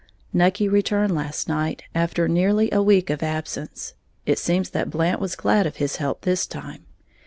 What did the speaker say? _ Nucky returned last night, after nearly a week of absence, it seems that Blant was glad of his help this time.